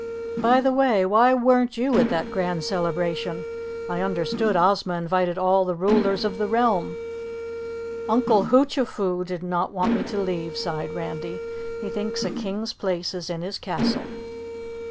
By the way, why weren't you at that grand celebration? I understood Ozma invited all the Rulers of the Realm." "Uncle Hoochafoo did not want me to leave," sighed Randy. "He thinks a King's place is in his castle."